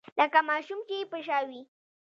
لکه ماشوم چې يې په شا وي.